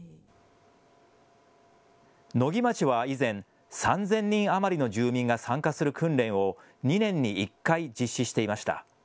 野木町は以前、３０００人余りの住民が参加する訓練を２年に１回、実施していました。